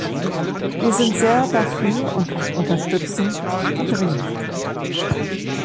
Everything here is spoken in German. Wir sind sehr dafür und unterstützen die Dringlichkeit.